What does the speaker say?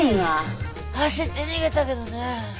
走って逃げたけどね。